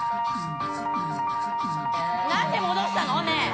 何で戻したの？ねぇ！